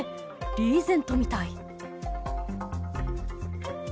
リーゼントみたい。